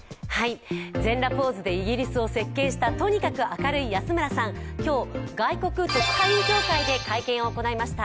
全裸ポーズでイギリスを席けんしたとにかく明るい安村さん、今日、外国特派員協会で会見を行いました。